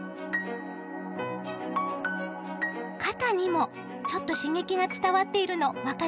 肩にもちょっと刺激が伝わっているの分かりますか？